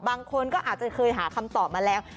บางคนก็อาจจะเคยหาคำตอบมาแล้ว